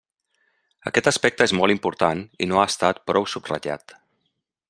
Aquest aspecte és molt important i no ha estat prou subratllat.